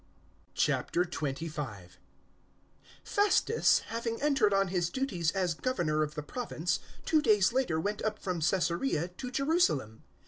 025:001 Festus, having entered on his duties as governor of the province, two days later went up from Caesarea to Jerusalem.